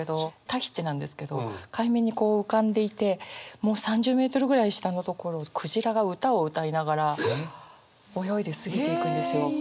タヒチなんですけど海面にこう浮かんでいてもう３０メートルぐらい下のところをクジラが歌をうたいながら泳いで過ぎていくんですよ。